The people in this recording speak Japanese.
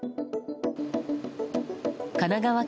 神奈川県